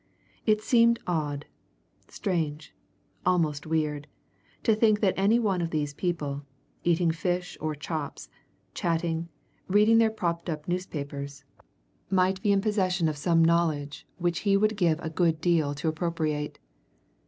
It seemed odd, strange, almost weird, to think that any one of these people, eating fish or chops, chatting, reading their propped up newspapers, might be in possession of some knowledge which he would give a good deal to appropriate.